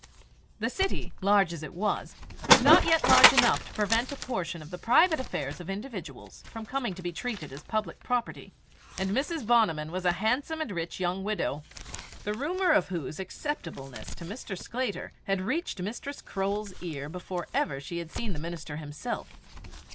The city, large as it was, was yet not large enough to prevent a portion of the private affairs of individuals from coming to be treated as public property, and Mrs. Bonniman was a handsome and rich young widow, the rumour of whose acceptableness to Mr. Sclater had reached Mistress Croale's ear before ever she had seen the minister himself.